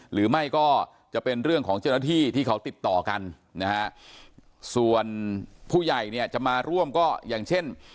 หรือไม่ก็จะเป็นเรื่องของเจ้าหน้าที่ที่เขาติดต่อกันนะฮะส่วนผู้ใหญ่เนี่ยจะมาร่วมก็อย่างเช่น